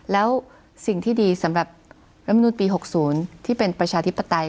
แล้วสิ่งที่ดีสำหรับรัฐมนุนปี๖๐ที่เป็นประชาธิปไตย